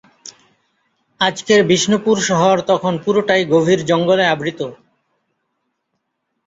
আজকের বিষ্ণুপুর শহর তখন পুরোটাই গভীর জঙ্গলে আবৃত।